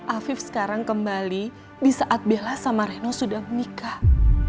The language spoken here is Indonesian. afif sekarang kembali di saat bella sama reno sudah menikah